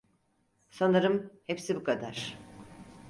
Sanırım hepsi bu kadar.